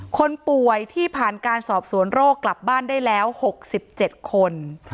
คนป่วยที่ผ่านการสอบสวนโรคกลับบ้านได้แล้ว๖๗คน